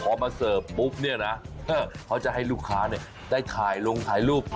พอมาเสิร์ฟปุ๊บเนี่ยนะเขาจะให้ลูกค้าได้ถ่ายลงถ่ายรูป